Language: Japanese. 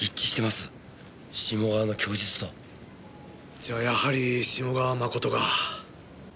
じゃあやはり志茂川真が。